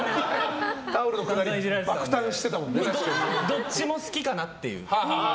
どっちも好きかなっていう。